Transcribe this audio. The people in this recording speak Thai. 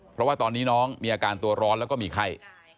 เพราะว่าตอนนี้น้องมีอาการตัวร้อนแล้วก็มีไข้